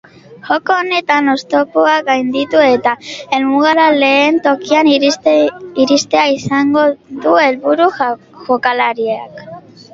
Joko honetan oztopoak gainditu eta helmugara lehen tokian iristea izango du helburu jokalariak.